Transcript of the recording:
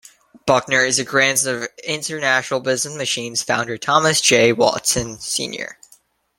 Buckner is a grandson of International Business Machines founder Thomas J. Watson, Sr..